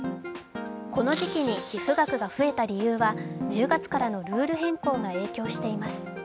この時期に寄付額が増えた理由は１０月からのルール変更が影響しています。